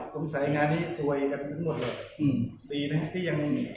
ผมใส่งานที่ซวยกันหมดเลยปีหน้าที่ยังมี